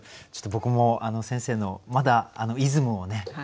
ちょっと僕も先生のまだイズムをね